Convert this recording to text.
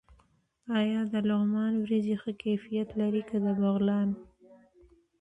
آیا د لغمان وریجې ښه کیفیت لري که د بغلان؟